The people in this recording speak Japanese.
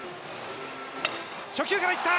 初球からいった。